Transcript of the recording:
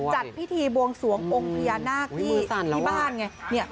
จัดพิธีบวงสวงองค์พญานาคที่บ้านไง